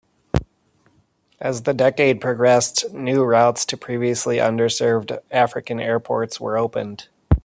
As the decade progressed, new routes to previously under-served African airports were opened.